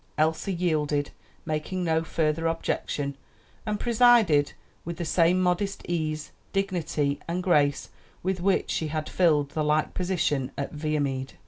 Elsie yielded, making no further objection, and presided with the same modest ease, dignity, and grace with which she had filled the like position at Viamede.